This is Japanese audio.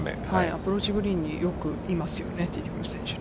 アプローチグリーンによくいますよね、ティティクル選手